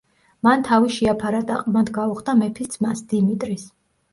მან თავი შეაფარა და ყმად გაუხდა მეფის ძმას, დიმიტრის.